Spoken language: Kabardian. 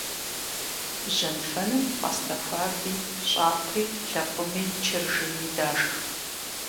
Жьэнфэным пӀастэ хуаби, щӀакхъуи, лэкъуми, чыржыни дашх.